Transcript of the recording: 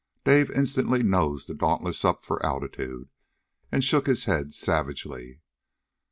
Dave instantly nosed the Dauntless up for altitude, and shook his head savagely.